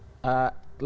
latar belakang tentu ada